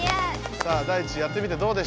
さあダイチやってみてどうでしたか？